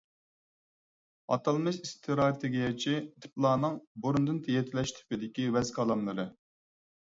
ئاتالمىش ئىستراتېگىيەچى تىپلارنىڭ بۇرۇندىن يېتىلەش تىپىدىكى ۋەز - كالاملىرى